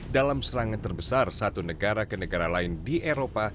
dalam serangan terbesar satu negara ke negara lain di eropa